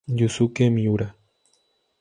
Yusuke Miura